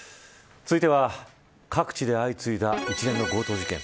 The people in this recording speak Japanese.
続いては各地で相次いだ一連の強盗事件。